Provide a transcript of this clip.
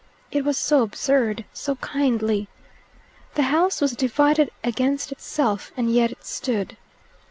It was so absurd, so kindly. The house was divided against itself and yet stood.